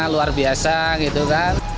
luar biasa gitu kan